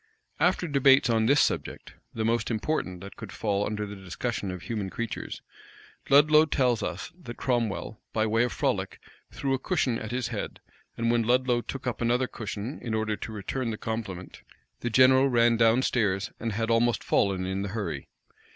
After debates on this subject, the most important that could fall under the discussion of human creatures, Ludlow tells us that Cromwell, by way of frolic, threw a cushion at his head; and when Ludlow took up another cushion, in order to return the compliment, the general ran down stairs, and had almost fallen in the hurry.